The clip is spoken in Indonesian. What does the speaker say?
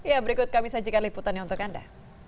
ya berikut kami sajikan liputannya untuk anda